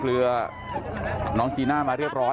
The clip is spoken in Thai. เพื่อนบ้านเจ้าหน้าที่อำรวจกู้ภัย